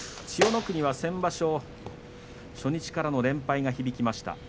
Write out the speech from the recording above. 千代の国は先場所初日からの連敗が響きました。